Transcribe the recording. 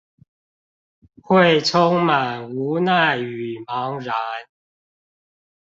會充滿無奈與茫然